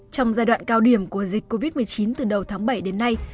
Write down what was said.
trong giai đoạn cao điểm của dịch covid một mươi chín từ đầu tháng bảy đến nay